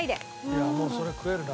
いやもうそれ食えるな。